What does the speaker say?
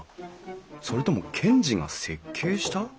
それとも賢治が設計した？